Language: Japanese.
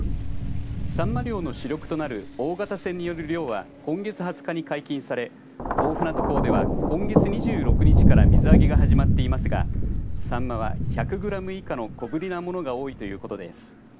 サンマ漁の主力となる大型船による漁は今月２０日に解禁され大船渡港では今月２６日から水揚げが始まっていますがサンマは１００グラム以下の小ぶりなものが多いということです。